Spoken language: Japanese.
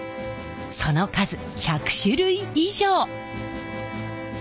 その数１００種類以上！